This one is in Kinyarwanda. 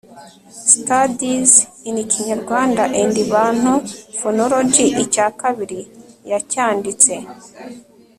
studies in kinyarwanda and bantu phonology, icya kabiri yacyanditse